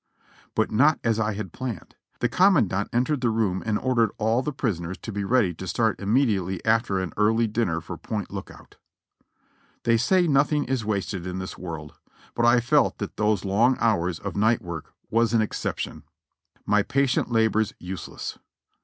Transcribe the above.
But not as I had planned. The commandant entered the room and ordered all the prisoners to be ready to start immediately after an early dinner for Point Lookout. They say nothing is wasted in this world, but I felt that those long hours of night work was an exception. My patient labors useless.